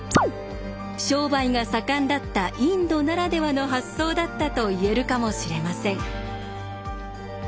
商売が盛んだったインドならではの発想だったと言えるかもしれません。